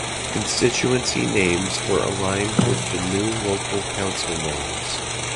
Constituency names were aligned with the new local council names.